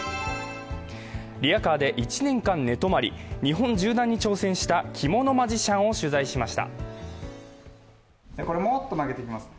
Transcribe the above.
リヤカーで１年間寝泊まり、日本縦断に挑戦した着物マジシャンを取材しました。